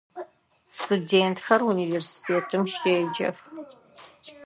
Студентхэр университетым щеджэх.